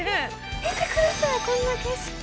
見てください、この景色！